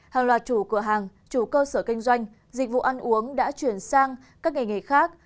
hàng loạt chủ cửa hàng chủ cơ sở kinh doanh dịch vụ ăn uống đã chuyển sang các nghề nghề khác